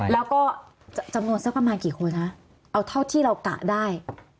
แล้วก็จำนวนสักประมาณกี่คนคะเอาเท่าที่เรากะได้